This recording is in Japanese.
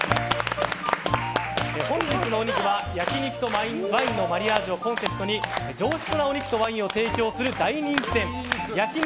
本日のお肉は焼き肉とワインのマリアージュをコンセプトに上質なお肉とワインを提供する大人気店焼肉